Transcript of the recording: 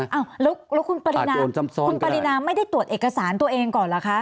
อ้าวแล้วคุณปรินาไม่ได้ตรวจเอกสารตัวเองก่อนล่ะคะ